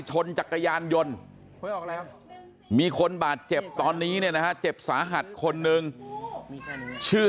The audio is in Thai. ชนจักรยานยนต์มีคนบาดเจ็บตอนนี้เนี่ยนะฮะเจ็บสาหัสคนนึงชื่อ